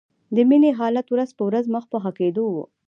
د مينې حالت ورځ په ورځ مخ په ښه کېدو و